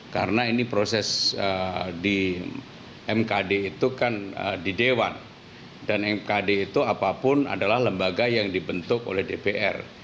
karena ini proses di mkd itu kan di dewan dan mkd itu apapun adalah lembaga yang dibentuk oleh dpr